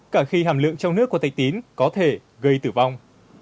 cả khi hàm lượng trong nước của thạch tín có thể gây tử vong